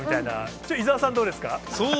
ちょっと、伊沢さん、どうですか。